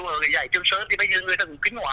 ở cái giải trường sớm thì bây giờ người ta cũng kinh hoá